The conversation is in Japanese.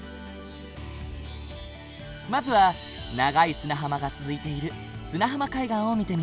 まずは長い砂浜が続いている砂浜海岸を見てみよう。